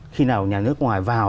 khi nào nhà nước ngoài vào